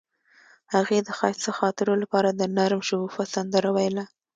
هغې د ښایسته خاطرو لپاره د نرم شګوفه سندره ویله.